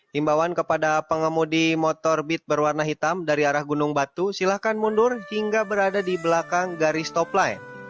himbawan kepada pengemudi motor bit berwarna hitam dari arah gunung batu silahkan mundur hingga berada di belakang garis topline